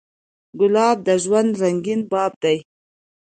ګلاب د ژوند رنګین باب دی.